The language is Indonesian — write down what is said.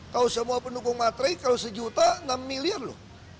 kalau semua pendukung matre kalau sejuta enam miliar loh